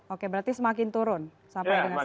oke berarti semakin turun sampai dengan sekarang